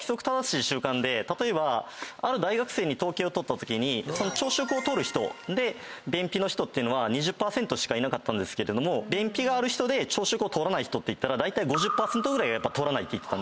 例えばある大学生に統計を取ったときに朝食を取る人で便秘の人は２０％しかいなかったんですけど便秘がある人で朝食を取らない人っていったら５０％ぐらいが取らないって言ってた。